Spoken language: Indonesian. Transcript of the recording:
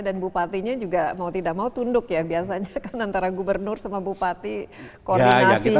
dan bupatinya juga mau tidak mau tunduk ya biasanya kan antara gubernur sama bupati koordinasinya kan